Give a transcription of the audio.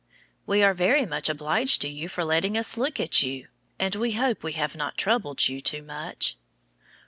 We are very much obliged to you for letting us look at you, and we hope we have not troubled you too much.